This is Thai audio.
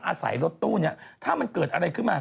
อาศัยรถตู้เนี่ยถ้ามันเกิดอะไรขึ้นมา